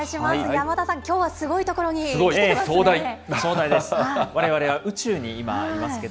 山田さん、きょうはすごい所に来ていますね。